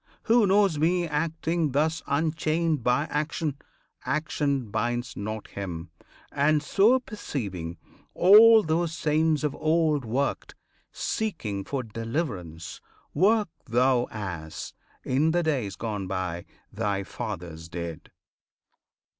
[FN#7] Who knows me acting thus Unchained by action, action binds not him; And, so perceiving, all those saints of old Worked, seeking for deliverance. Work thou As, in the days gone by, thy fathers did.